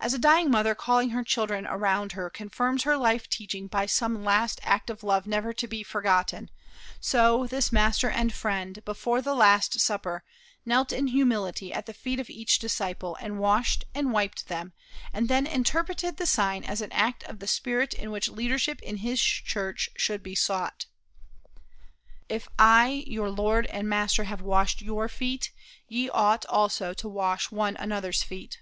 As a dying mother calling her children around her confirms her life teaching by some last act of love never to be forgotten, so this Master and Friend before the last supper knelt in humility at the feet of each disciple and washed and wiped them, and then interpreted the act as a sign of the spirit in which leadership in his church should be sought: "If I, your Lord and Master, have washed your feet, ye ought also to wash one another's feet."